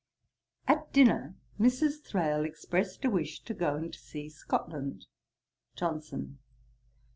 At dinner, Mrs. Thrale expressed a wish to go and see Scotland. JOHNSON.